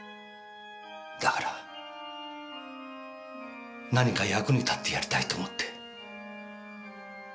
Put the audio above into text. だから何か役に立ってやりたいと思って。